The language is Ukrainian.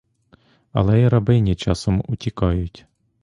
Але й рабині часом утікають.